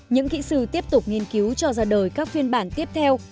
những kỹ sư tiếp tục nghiên cứu cho ra đời các phiên bản tiếp theo